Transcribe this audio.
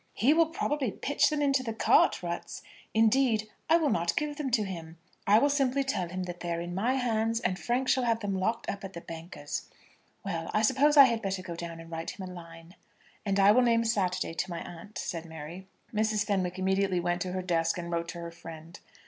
"He will probably pitch them into the cart ruts. Indeed, I will not give them to him. I will simply tell him that they are in my hands, and Frank shall have them locked up at the banker's. Well; I suppose I had better go down and write him a line." "And I will name Saturday to my aunt," said Mary. Mrs. Fenwick immediately went to her desk, and wrote to her friend.